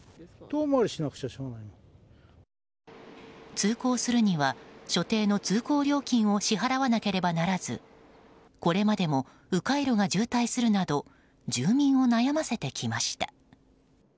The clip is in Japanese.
通行するには所定の通行料金を支払わなければならずこれまでも迂回路が渋滞するなど住民を悩ませてきました。